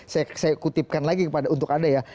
saya kutipkan lagi untuk anda ya